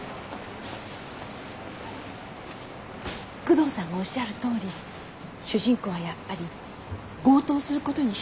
久遠さんがおっしゃるとおり主人公はやっぱり強盗をすることにしようかと。